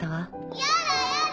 やだやだ！